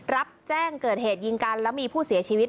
รับแจ้งเกิดเหตุยิงกันแล้วมีผู้เสียชีวิต